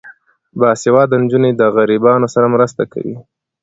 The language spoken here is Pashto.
باسواده نجونې د غریبانو سره مرسته کوي.